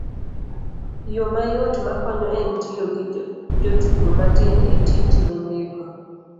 yo mayot makonyo en tiyo gi jotugo matin e tiji mindiko